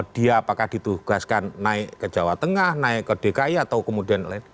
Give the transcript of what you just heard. dia apakah ditugaskan naik ke jawa tengah naik ke dki atau kemudian lain